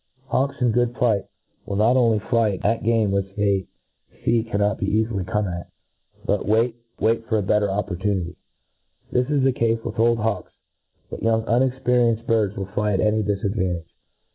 Hawks in good plight will not fly at game which they fee cannot be eafily come at, but wait for a better c^portunity. This is the cafe with old hawks ; but young unexperienced Urds wiir fly at any difadvantage.